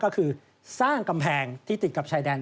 ก็คือสร้างกำแพงที่ติดกับชายแดน